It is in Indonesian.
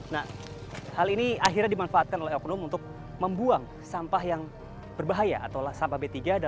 nah hal ini akhirnya dimanfaatkan oleh oknum untuk membuang sampah yang berbahaya atau sampah b tiga